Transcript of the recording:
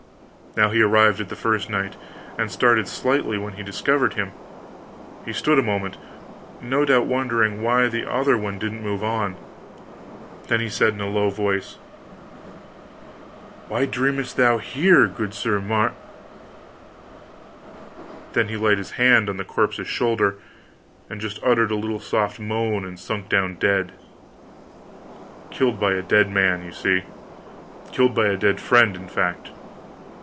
Now he arrived at the first knight and started slightly when he discovered him. He stood a moment no doubt wondering why the other one didn't move on; then he said, in a low voice, "Why dreamest thou here, good Sir Mar " then he laid his hand on the corpse's shoulder and just uttered a little soft moan and sunk down dead. Killed by a dead man, you see killed by a dead friend, in fact.